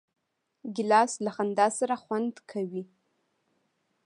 ګیلاس له خندا سره خوند کوي.